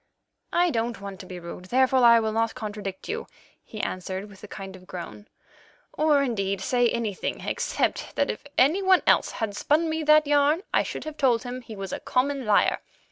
"I don't want to be rude, therefore I will not contradict you," he answered with a kind of groan, "or, indeed, say anything except that if any one else had spun me that yarn I should have told him he was a common liar.